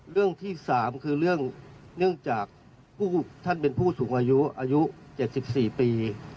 เรื่องที่๓คือเรื่องเนื่องจากท่านเป็นผู้สูงอายุอายุ๗๔ปี